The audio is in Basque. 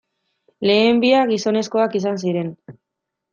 Lehen biak, gizonezkoak izan ziren.